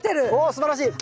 すばらしい。